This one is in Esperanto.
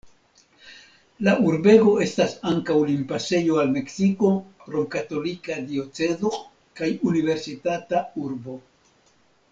La urbego estas ankaŭ limpasejo al Meksiko, romkatolika diocezo kaj universitata urbo.